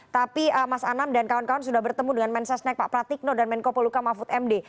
tapi mas anam dan kawan kawan sudah bertemu dengan mensesnek pak pratikno dan menko poluka mahfud md